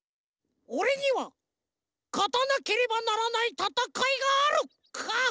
「おれにはかたなければならないたたかいがある！」。